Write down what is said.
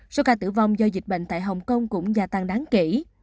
số ca tử vong do dịch bệnh tại hồng kông cũng gia tăng đáng kể